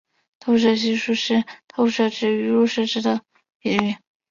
透射系数是透射值与入射值的比率。